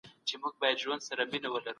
د ټولنې چارې به په سمه توګه پرمخ ځي.